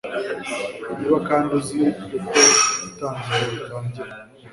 Niba kandi uzi uko Itangiriro ritangira